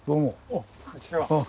・おっこんにちは。